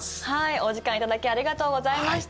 お時間頂きありがとうございました。